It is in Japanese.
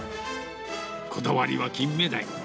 こだわりはキンメダイ。